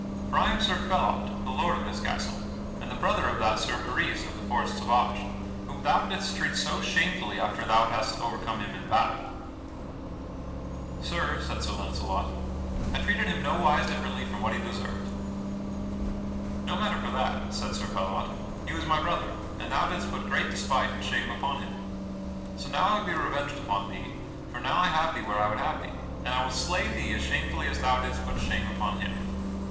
For I am Sir Phelot, the lord of this castle, and the brother of that Sir Peris of the Forest Sauvage, whom thou didst treat so shamefully after thou hadst overcome him in battle." "Sir," said Sir Launcelot, "I treated him nowise differently from what he deserved." "No matter for that," said Sir Phelot, "he was my brother, and thou didst put great despite and shame upon him. So now I will be revenged upon thee, for now I have thee where I would have thee, and I will slay thee as shamefully as thou didst put shame upon him.